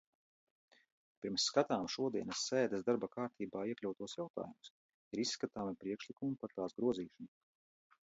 Pirms skatām šodienas sēdes darba kārtībā iekļautos jautājumus, ir izskatāmi priekšlikumi par tās grozīšanu.